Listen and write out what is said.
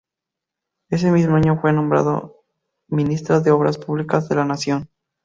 Ese mismo año fue nombrado ministro de Obras Públicas de la Nación.